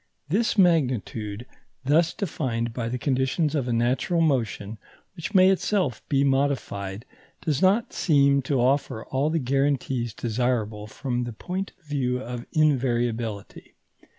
This magnitude, thus defined by the conditions of a natural motion which may itself be modified, does not seem to offer all the guarantees desirable from the point of view of invariability.